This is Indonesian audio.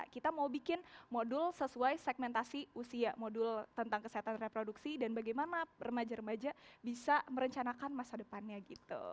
kita mau bikin modul sesuai segmentasi usia modul tentang kesehatan reproduksi dan bagaimana remaja remaja bisa merencanakan masa depannya gitu